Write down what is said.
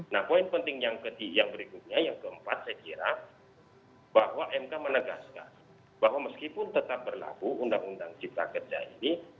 nah poin penting yang berikutnya yang keempat saya kira bahwa mk menegaskan bahwa meskipun tetap berlaku undang undang cipta kerja ini